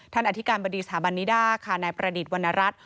อธิการบดีสถาบันนิดาค่ะนายประดิษฐ์วรรณรัฐ